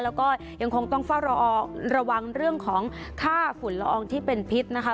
แล้วก็ยังคงต้องเฝ้าระวังเรื่องของค่าฝุ่นละอองที่เป็นพิษนะคะ